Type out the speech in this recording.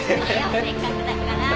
せっかくだから